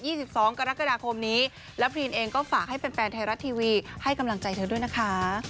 สิบสองกรกฎาคมนี้แล้วพรีนเองก็ฝากให้แฟนแฟนไทยรัฐทีวีให้กำลังใจเธอด้วยนะคะ